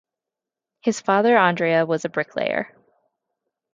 His father Andrea was a bricklayer.